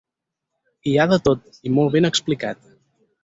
Hi ha de tot i molt ben explicat.